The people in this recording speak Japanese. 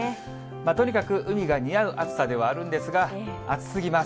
とにかく海が似合う暑さではあるんですが、暑すぎます。